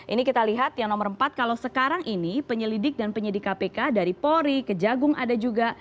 ini kita lihat yang nomor empat kalau sekarang ini penyelidik dan penyelidik kpk dari pori ke jagung ada juga